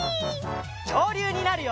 きょうりゅうになるよ！